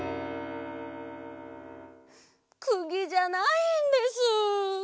くぎじゃないんです。